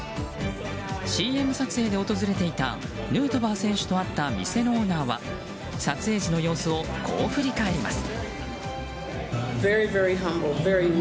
ＣＭ撮影で訪れていたヌートバー選手と会った店のオーナーは撮影時の様子をこう振り返ります。